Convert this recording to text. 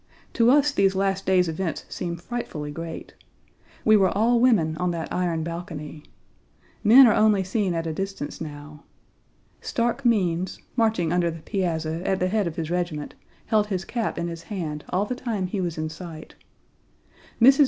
To us these last days' events seem frightfully great. We were all women on that iron balcony. Men are only seen at a distance now. Stark Means, marching under the piazza at the head of his regiment, held his cap in his hand all the time he was in sight. Mrs.